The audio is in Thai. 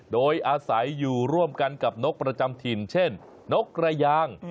โดยอาศัยอยู่ร่วมกันกับนกประจำถิ่นเช่นนกกระยาง